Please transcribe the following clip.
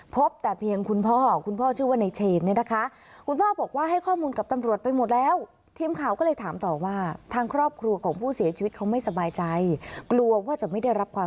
พบแต่เพียงคุณพ่อคุณพ่อชื่อว่าในเชนเนี่ยนะคะ